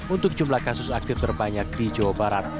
untuk jumlah kasus aktif terbanyak di jawa barat